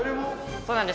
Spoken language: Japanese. そうなんです。